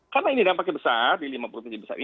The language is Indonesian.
karena ini dampaknya besar